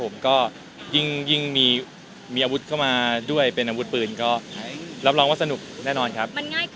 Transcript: มันง่ายขึ้นมั้ยอย่างที่เราไปเป็นผู้อาหารมา